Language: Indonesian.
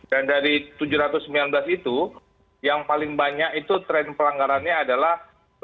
dan dari tujuh ratus sembilan belas itu yang paling banyak itu tren pelanggarannya adalah